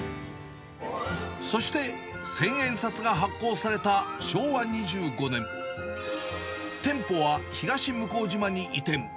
そして千円札が発行された昭和２５年、店舗は東向島に移転。